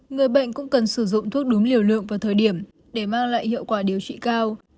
người bệnh cũng cần sử dụng thuốc đúng liều lượng vào thời điểm để mang lại hiệu quả điều trị cao